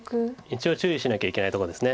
一応注意しなきゃいけないとこです。